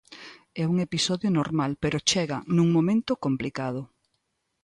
É un episodio normal, pero chega nun momento complicado.